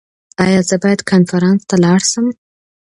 ایا زه باید کنفرانس ته لاړ شم؟